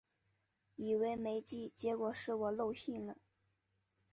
以为没寄，结果是我漏信了